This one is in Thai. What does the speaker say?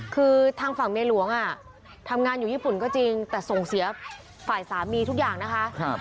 คือทางฝั่งเมียหลวงทำงานอยู่ญี่ปุ่นก็จริงแต่ส่งเสียฝ่ายสามีทุกอย่างนะคะ